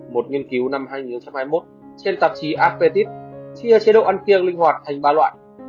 một nghiên cứu năm hai nghìn hai mươi một trên tạp chí aptip chia chế độ ăn phiên linh hoạt thành ba loại